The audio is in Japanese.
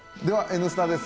「Ｎスタ」です。